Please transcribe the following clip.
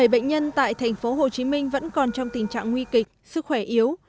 bảy bệnh nhân tại thành phố hồ chí minh vẫn còn trong tình trạng nguy kịch sức khỏe yếu